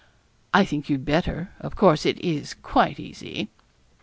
'I think you'd better; of course it is quite easy.'